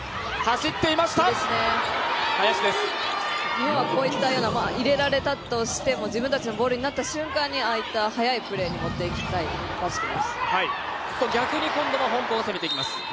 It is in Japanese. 日本はこういった、入れられたとしても自分たちのボールになった瞬間にああいった、速いプレーに持っていきたいバスケです。